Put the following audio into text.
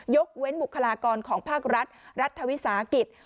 ยกเว้นบุคลากรของภาครัฐรัฐวิสาหกิจ